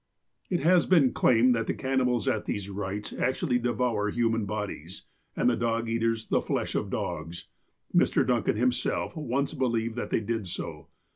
It Las been claimed that the cauuibals at these rites actually devoured human bodies, and the dog eaters the flesh of dogs. Mr. Duncan himself once believed that they did so.